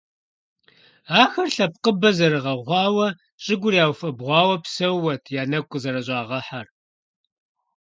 Ахэр лъэпкъыбэ зэрыгъэхъуауэ, щӀыгур яуфэбгъуауэ псэууэт я нэгу къызэрыщӀагъэхьэр.